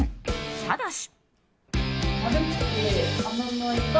ただし。